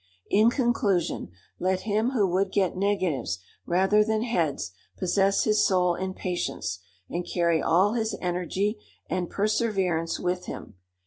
In conclusion, let him who would get negatives rather than heads, possess his soul in patience, and carry all his energy and perseverance with him.